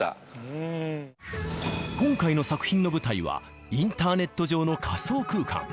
今回の作品の舞台は、インターネット上の仮想空間。